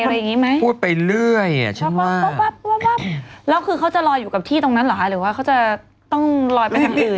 เออพูดไปเรื่อยอ่ะฉันว่าแล้วคือเขาจะลอยอยู่กับที่ตรงนั้นหรอหรือว่าเขาจะต้องลอยไปทางอื่น